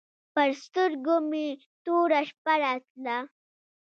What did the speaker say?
پر سترګو مې توره شپه راتله.